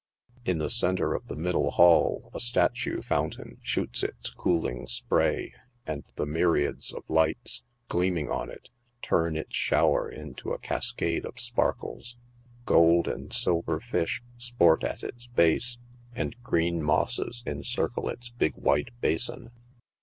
In the centre of the middle hall a statue fountain shoots its cooling spray, and the my riads of lights, gleaming on it, turn its shower into a cascade of sparkles. Gold and silver fish sport at its base, and green mosses encircle its big white basin.